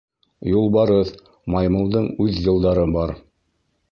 Юлбарыҫ, маймылдың үҙ йылдары бар